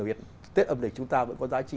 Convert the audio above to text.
ở việt tết âm lịch chúng ta vẫn có giá trị